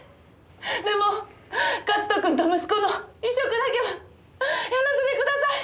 でも克斗君と息子の移植だけはやらせてください！